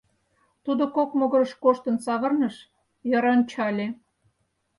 Тудо кок могырыш коштын савырныш, йыр ончале.